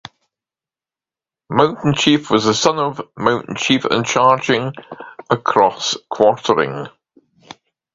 Mountain Chief was the son of Mountain Chief and Charging Across Quartering.